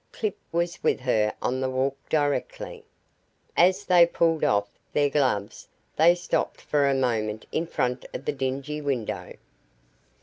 Clip was with her on the walk directly. As they pulled off, their gloves they stopped for a moment in front of the dingy window.